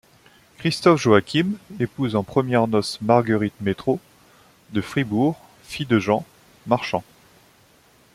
Christophe-Joachim épouse en premières noces Marguerite Mettraux, de Fribourg, fille de Jean, marchand.